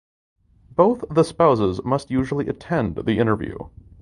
Both the spouses must usually attend the interview.